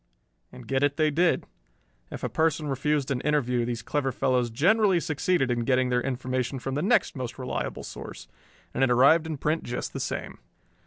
And get it they did. If a person refused an interview these clever fellows generally succeeded in getting their information from the next most reliable source, and it arrived in print just the same.